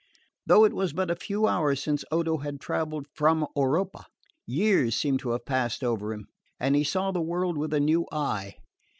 Though it was but a few hours since Odo had travelled from Oropa, years seemed to have passed over him, and he saw the world with a new eye.